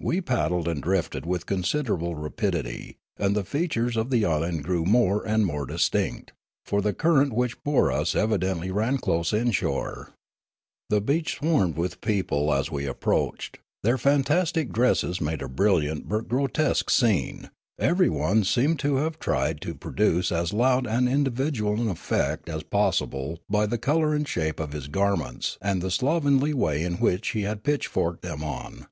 We paddled and drifted with considerable rapidity, and the features of an island grew more and mote dis tinct ; for the current which bore us evidently ran close inshore. The beach swarmed with people as we ap proached ; their fantastic dresses made a brilliant but grotesque scene; everj'one seemed to have tried to 190 Meddla 191 produce as loud and individual an effect as possible by the colour and shape of his garments and the slovenly way in which he had pitchforked them on.